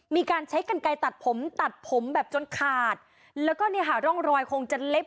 มีการใช้กันไกลตัดผมตัดผมแบบจนขาดแล้วก็เนี่ยค่ะร่องรอยคงจะเล็บ